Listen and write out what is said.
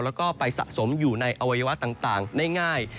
แล้วก็ไปสะสมอยู่ในอวัยวะต่างได้ง่าย